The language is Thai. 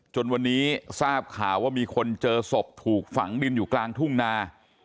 จนวันนี้ทราบข่าวว่ามีคนเจอศพถูกฝังดินอยู่กลางทุ่งนา